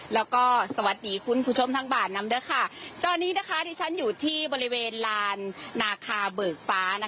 แล้วก็สวัสดีคุณผู้ชมทั้งบ่าน้ำด้วยค่ะ